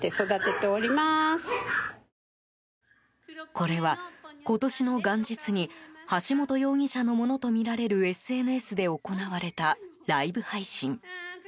これは、今年の元日に橋本容疑者のものとみられるＳＮＳで行われたライブ配信。